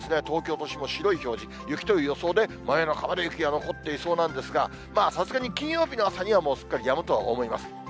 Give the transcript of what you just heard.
東京都心も白い表示、雪という予想で、真夜中まで雪が残っていそうなんですが、さすがに金曜日の朝には、もうすっかりやむとは思います。